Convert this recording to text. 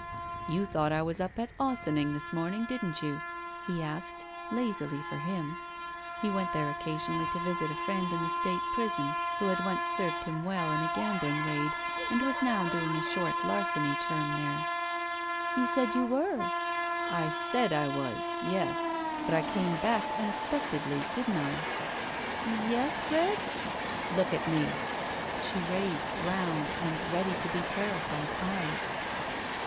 "You thought I was up at Ossining this morning, didn't you?" he asked, lazily for him. He went there occasionally to visit a friend in the state prison who had once served him well in a gam bling raid and was now doing a short larceny term there. "You said you were —" "I said I was. Yes. But I came back unex pectedly, didn't I?" "Y yes, Red?" "Look at me!" She raised round and ready to be terrified eyes.